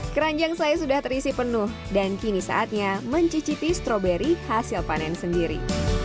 keranjang saya sudah terisi penuh dan kini saatnya mencicipi stroberi hasil panen sendiri